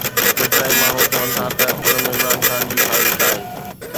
ڪيترائي ماڻهو چون ٿا ته ان ۾ عمران خان جي سازش آهي